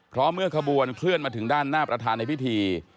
เพราะเมื่อขบวนเคลื่อนมาถึงด้านหน้าประธานในพิธี